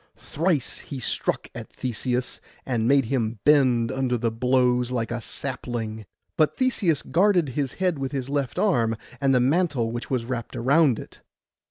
Thrice he struck at Theseus, and made him bend under the blows like a sapling; but Theseus guarded his head with his left arm, and the mantle which was wrapt around it.